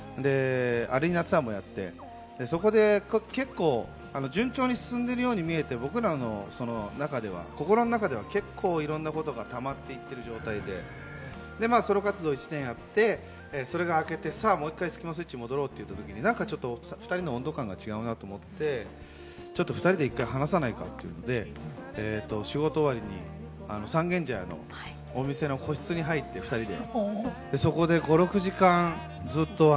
アリーナツアーもやって、そこで結構、順調に進んでいるように見えて、僕らの中では心の中では結構いろんなことがたまっていっている状態で、ソロ活動を１年やって、それが明けて、さぁもう一回、スキマスイッチに戻ろうというときに２人の温度感が違うなと思って、２人で一回話さねえか？というので、仕事終わりに三軒茶屋のお店の個室に入って、２人で。